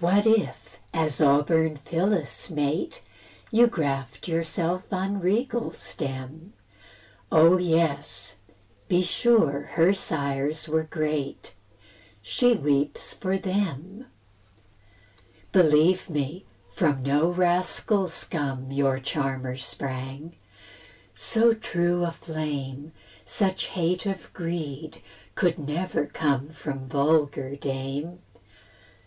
What if, as auburn Phyllis' mate, You graft yourself on regal stem? Oh yes! be sure her sires were great; She weeps for THEM. Believe me, from no rascal scum Your charmer sprang; so true a flame, Such hate of greed, could never come From vulgar dame.